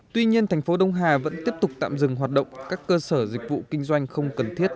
tuy nhiên thành phố đông hà vẫn tiếp tục tạm dừng hoạt động các cơ sở dịch vụ kinh doanh không cần thiết